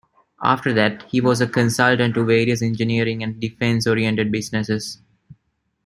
After that, he was a consultant to various engineering and defense-oriented businesses.